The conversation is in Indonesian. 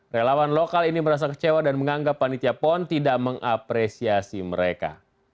relawan lokal ini merasa kecewa dan menganggap panitia pon tidak mengapresiasi mereka